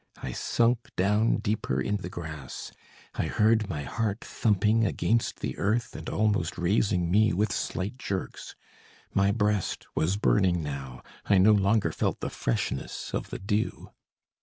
I sunk down deeper in the grass, I heard my heart thumping against the earth and almost raising me with slight jerks. My breast was burning now, I no longer felt the freshness of the dew.